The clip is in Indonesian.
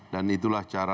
dan itulah cara